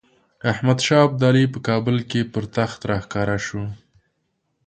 احمدشاه ابدالي په کابل پر تخت راښکاره شو.